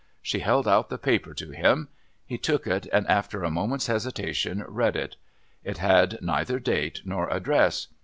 She held out the paper to him, He took it and after a moment's hesitation read it. It had neither date nor address.